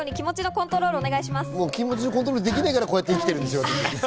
気持ちのコントロールできねえから、こうやって生きてるんです。